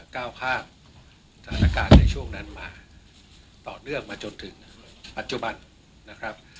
ก้าวข้ามสถานการณ์ในช่วงนั้นมาต่อเนื่องมาจนถึงปัจจุบันนะครับ